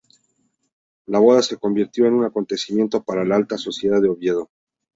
La boda se convirtió en un acontecimiento para la alta sociedad de Oviedo.